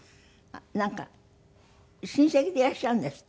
なんか親戚でいらっしゃるんですって？